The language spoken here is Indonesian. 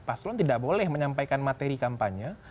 pas calon tidak boleh menyampaikan materi kampanye